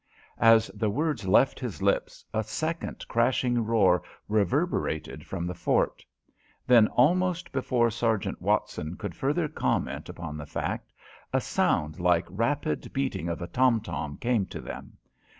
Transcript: As the words left his lips a second crashing roar reverberated from the fort. Then, almost before Sergeant Watson could further comment upon the fact, a sound like rapid beating of a tom tom came to them.